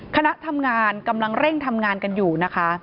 คณะทำงานกำลังเร่งทำงานกันอยู่นะคะ